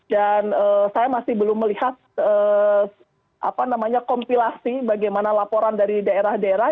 dan saya masih belum melihat kompilasi bagaimana laporan dari daerah daerah